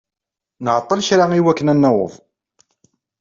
Nɛeṭṭel kra i wakken ad naweḍ.